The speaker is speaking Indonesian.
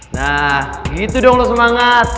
nah itu dong lo semangat